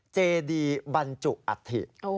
เจดีบันจุอาธิ